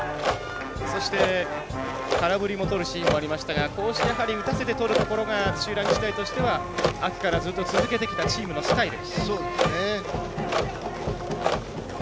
そして、空振りもとるシーンもありましたがこうして打たせてとるところが土浦日大としては秋からずっと続けてきたチームのスタイル。